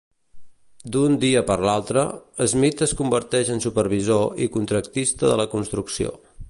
D'un dia per l'altre, Smith es converteix en supervisor i contractista de la construcció.